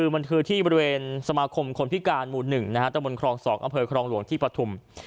มันคือที่บริเวณสมาคมคนพิการหมู่๑ตะบนครอง๒อำเภอครองหลวงที่ปฐุม